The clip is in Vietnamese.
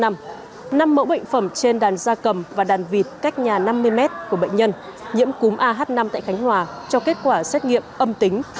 năm mẫu bệnh phẩm trên đàn da cầm và đàn vịt cách nhà năm mươi m của bệnh nhân nhiễm cúm ah năm tại khánh hòa cho kết quả xét nghiệm âm tính